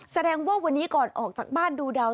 แสดงว่าวันนี้ก่อนออกจากบ้านดูดาว